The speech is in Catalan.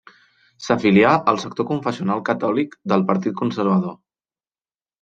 S'afilià al sector confessional catòlic del Partit Conservador.